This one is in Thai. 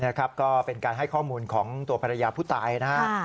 นะครับก็เป็นการให้ข้อมูลของตัวภรรยาผู้ตายนะฮะ